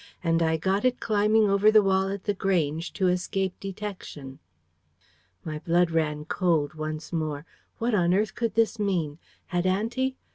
And I got it climbing over the wall at The Grange, to escape detection." My blood ran cold once more. What on earth could this mean? Had Auntie